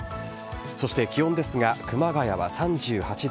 そして気温ですが熊谷は３８度。